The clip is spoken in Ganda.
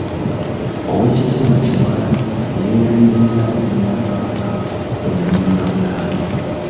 Oweekitiibwa Kyewalabye y'eyayanirizza abagenyi ba Kabaka mu bimuli bya Bulange.